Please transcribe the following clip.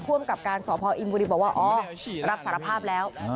เพราะว่าอ๋อรับสารภาพแล้ว